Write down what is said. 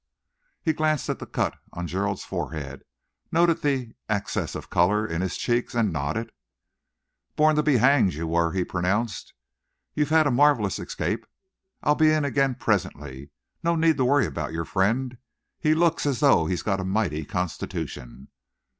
He glanced at the cut on Gerald's forehead, noted the access of colour in his cheeks, and nodded. "Born to be hanged, you were," he pronounced. "You've had a marvellous escape. I'll be in again presently. No need to worry about your friend. He looks as though he'd got a mighty constitution.